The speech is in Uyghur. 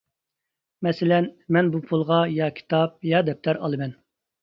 مەسىلەن: مەن بۇ پۇلغا يا كىتاب، يا دەپتەر ئالىمەن.